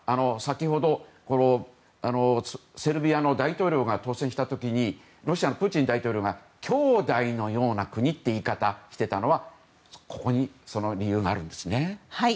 先ほど、セルビアの大統領が当選した時にロシアのプーチン大統領が兄弟のような国という言い方をしていたのは、ここにその理由があるんですね。